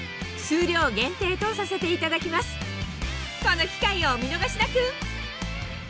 この機会をお見逃しなく！